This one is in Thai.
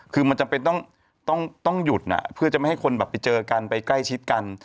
คือมันจำเป็นต้องหยุดเพื่อจะไม่ให้คนแบบไปเจอกันไปใกล้ชิดกัน